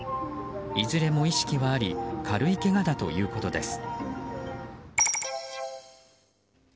いずれも意識はあり軽いけがだということです。